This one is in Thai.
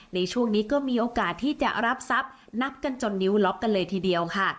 ในช่วงนี้ก็มีโอกาสที่จะรับทรัพย์นับกันจนนิ้วล็อกกันเลยทีเดียวค่ะ